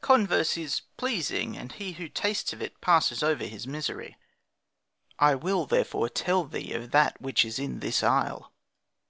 '"Converse is pleasing, and he who tastes of it passes over his misery. I will therefore tell thee of that which is in this isle.